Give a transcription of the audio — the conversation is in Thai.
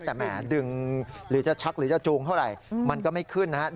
แต่แหมดึงหรือจะชักหรือจะจูงเท่าไหร่มันก็ไม่ขึ้นนะครับ